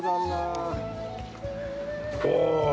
お。